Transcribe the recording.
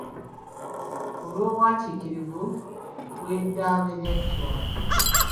Olw'obwatiikirivu bw’eddaame lya Chwa.